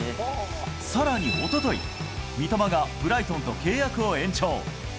さらにおととい、三笘がブライトンと契約を延長。